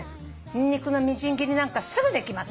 「ニンニクのみじん切りなんかすぐできます」